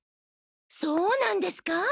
そうなんですか？